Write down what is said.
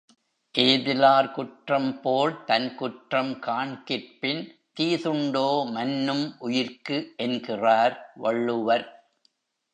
ஏதிலார் குற்றம்போல் தன்குற்றம் காண்கிற்பின் தீதுண்டோ மன்னும் உயிர்க்கு என்கிறார் வள்ளுவர்.